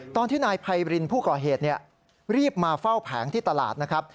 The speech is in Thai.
ตอนที่นายไพรินผู้ก่อเหตุรีบมาเฝ้าแผงที่ตลาดนะครับ